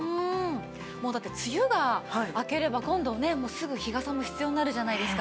もうだって梅雨が明ければ今度ねすぐ日傘も必要になるじゃないですか。